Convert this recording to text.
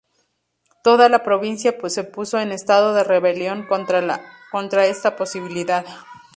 Toda la provincia se puso en estado de rebelión contra esta posibilidad.